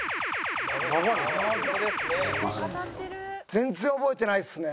全然覚えてないですね。